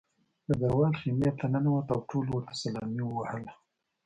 ډګروال خیمې ته ننوت او ټولو ورته سلامي ووهله